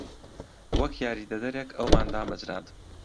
وەک یاریدەدەرێک ئەومان دامەزراند.